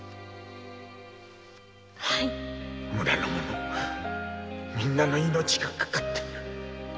村の者みんなの命がかかっている。